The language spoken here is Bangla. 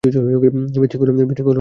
বিশৃঙ্খল অবস্থায় আছে এটা!